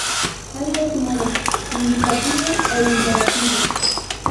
Hay dos modos: indicativo e imperativo.